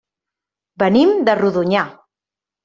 Venim de Rodonyà.